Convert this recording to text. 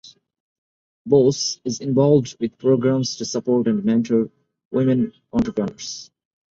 Bose is involved with programmes to support and mentor women entrepreneurs.